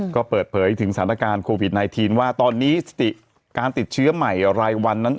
ก็เปิดเผยถึงสถานการณ์โควิด๑๙ว่าตอนนี้สติการติดเชื้อใหม่รายวันนั้น